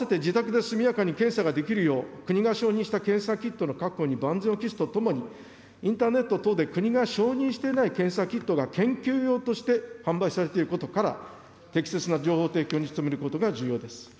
併せて自宅で速やかに検査ができるよう、国が承認した検査キットの確保に万全を期すとともに、インターネット等で国が承認していない検査キットが研究用として販売されていることから、適切な情報提供に努めることが重要です。